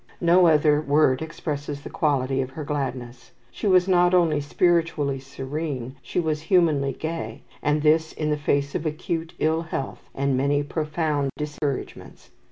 No other word expresses the quality of her gladness. She was not only spiritually serene, she was humanly gay, and this in the face of acute ill health, and many profound discouragements.